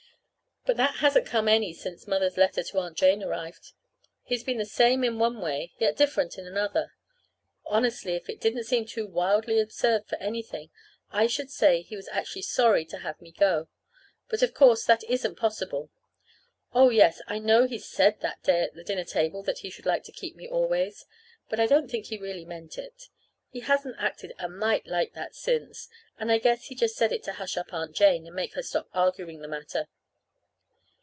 But that hasn't come any since Mother's letter to Aunt Jane arrived. He's been the same in one way, yet different in another. Honestly, if it didn't seem too wildly absurd for anything, I should say he was actually sorry to have me go. But, of course, that isn't possible. Oh, yes, I know he said that day at the dinner table that he should like to keep me always. But I don't think he really meant it. He hasn't acted a mite like that since, and I guess he said it just to hush up Aunt Jane, and make her stop arguing the matter.